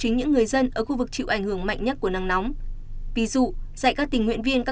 nhiệt độ cao nhất phía bắc từ ba mươi năm đến ba mươi tám độ